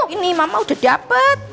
ini mama udah dapet